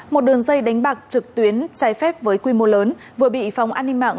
một đường dây đánh bạc trực tuyến trái phép với quy mô lớn vừa bị phòng an ninh mạng